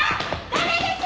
ダメです！